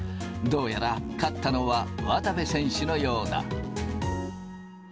どうやら、勝ったのは渡部選手のようだ。